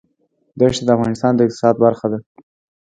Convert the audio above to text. دښتې د افغانستان د اقتصاد برخه ده.